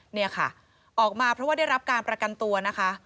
เนี่ยค่ะออกมาเพราะว่าได้รับการประกันตัวนะคะ